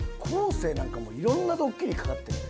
生なんかもう色んなドッキリかかってんで。